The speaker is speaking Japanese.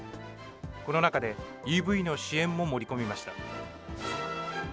この中で、ＥＶの支援も盛り込みました。